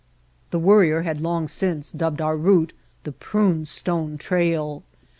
The Worrier had long since dubbed our route "The Prune Stone Trail."